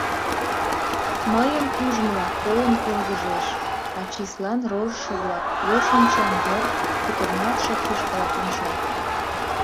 Мыйым ӱжмыла койын йылгыжеш, а числан рожшо-влак лу шинчан йыр пӱтырналтше кишкыла конча.